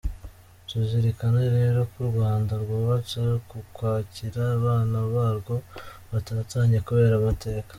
Tuzirikane rero ko u Rwanda rwubatse kukwakira abana barwo batatanye kubera amateka.